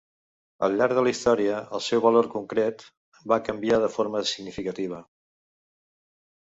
Al llarg de la història, el seu valor concret va canviar de forma significativa.